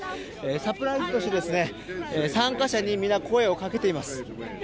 サプライズとして参加者に声をかけています。